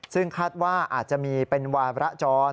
ซึ่งคาดว่าอาจจะมีเป็นวาระจร